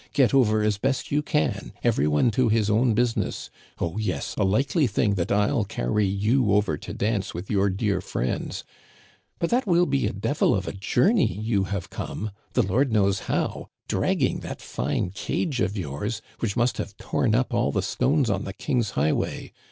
* Get over as best you can ; every one to his own business. Oh, yes, a likely thing that rU carry you over to dance with your dear friends ; but that will be a devil of a journey you have come, the Lord knows how, dragging that fine cage of yours, which must have torn up all the stones on the king's high way